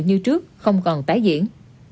như trước không còn tái diễn